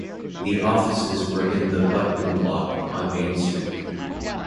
The offices were in the Butman Block on Main Street.